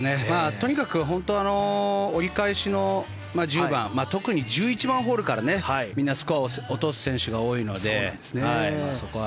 とにかく本当に折り返しの１０番特に１１番ホールからみんなスコアを落とす選手が多いのでそこは。